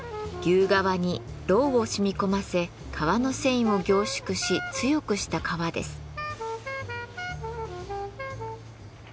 牛革にろうを染み込ませ革の繊維を凝縮し強くした革です。